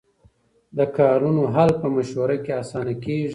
د کارونو حل په مشوره کې اسانه کېږي.